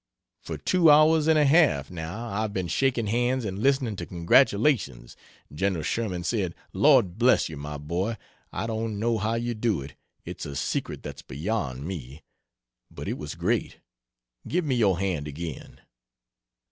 For two hours and a half, now, I've been shaking hands and listening to congratulations. Gen. Sherman said, "Lord bless you, my boy, I don't know how you do it it's a secret that's beyond me but it was great give me your hand again."